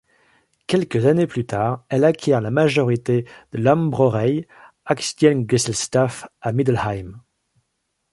Quelques années plus tard, elle acquiert la majorité de Lammbrauerei Aktiengesellschaft à Mindelheim.